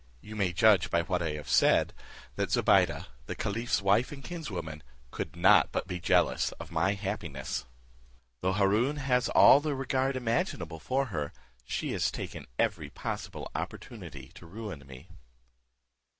You may judge by what I have said, that Zobeide, the caliph's wife and kinswoman, could not but be jealous of my happiness. Though Haroon has all the regard imaginable for her, she has taken every possible opportunity to ruin me.